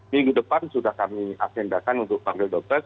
minggu depan sudah kami agendakan untuk panggil dokter